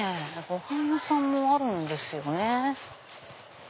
ごはん屋さんもあるんですよね。